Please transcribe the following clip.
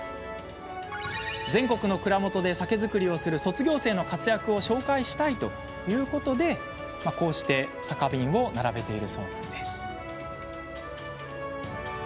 全国の蔵元で酒造りをする卒業生の活躍を紹介したいということで、こうして酒瓶を並べているそうなんです。